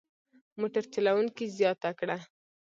موټر چلوونکي زیاته کړه.